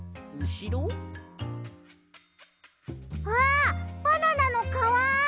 あっバナナのかわ！